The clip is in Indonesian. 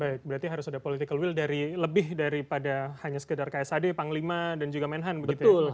baik berarti harus ada political will dari lebih daripada hanya sekedar ksad panglima dan juga menhan begitu ya